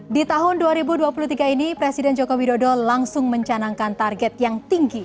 di tahun dua ribu dua puluh tiga ini presiden joko widodo langsung mencanangkan target yang tinggi